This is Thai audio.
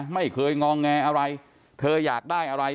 ไม่เคยงอแงอะไรเธออยากได้อะไร